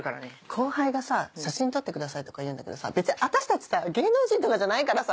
後輩がさ写真撮ってくださいとか言うんだけどさ別に私たちさ芸能人とかじゃないからさ。